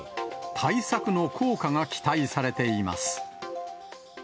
対策の効果が期待されています。